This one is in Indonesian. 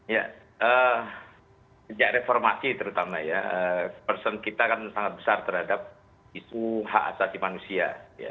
ya sejak reformasi terutama ya person kita kan sangat besar terhadap isu hak asasi manusia